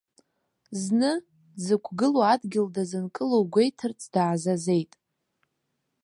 Зны, дзықәгылоу адгьыл дазынкылауоу гәеиҭарц даазазеит.